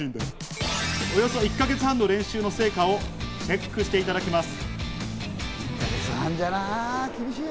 およそ１か月半の練習の成果をチェックしていただきます。